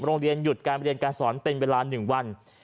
โรงเรียนหยุดการเรียนการสอนเป็นเวลาหนึ่งวัน